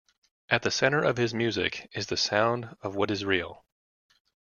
At the center of his music is the sound of what is real.